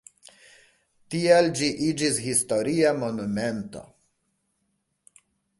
Tial ĝi iĝis historia monumento.